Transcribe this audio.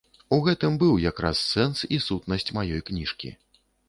У гэтым быў якраз сэнс і сутнасць маёй кніжкі.